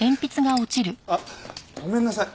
あっごめんなさい。